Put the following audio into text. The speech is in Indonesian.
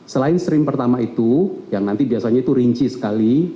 selain stream pertama itu yang nanti biasanya itu rinci sekali